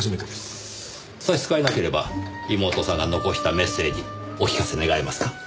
差し支えなければ妹さんが残したメッセージお聞かせ願えますか？